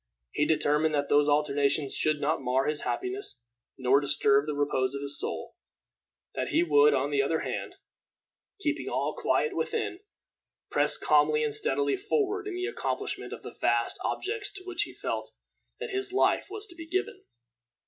He determined that these alternations should not mar his happiness, nor disturb the repose of his soul; that he would, on the other hand, keeping all quiet within, press calmly and steadily forward in the accomplishment of the vast objects to which he felt that his life was to be given.